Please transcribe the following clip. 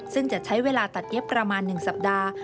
ซึ่งจะใช้เวลาตัดเย็บประมาณ๑สัปดาห์